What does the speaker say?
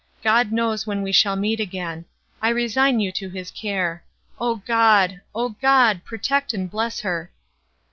God knows when we shall meet again! I resign you to his care.—O God!—O God!—protect and bless her!"